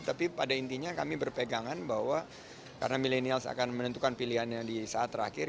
tapi pada intinya kami berpegangan bahwa karena millennials akan menentukan pilihannya di saat terakhir